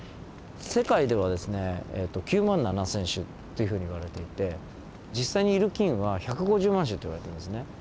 世界ではですねえっと９万７，０００種というふうにいわれていて実際にいる菌は１５０万種といわれてますね。